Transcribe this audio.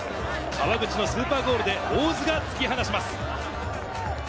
川口のスーパーゴールで大津が突き放します。